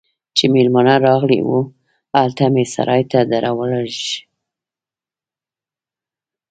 چې مېلمانه راغلي وو، هلته مې سرای ته درولږل.